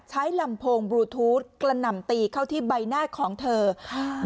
ลำโพงบลูทูธกระหน่ำตีเข้าที่ใบหน้าของเธอค่ะ